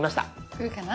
来るかな？